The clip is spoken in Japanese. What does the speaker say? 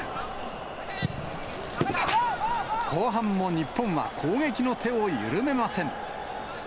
後半も日本は攻撃の手を緩めません。